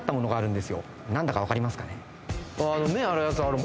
何だか分かりますかね？